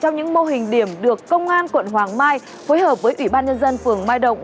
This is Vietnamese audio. trong những mô hình điểm được công an quận hoàng mai phối hợp với ủy ban nhân dân phường mai động